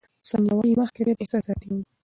ثانیه وايي، مخکې ډېره احساساتي وم.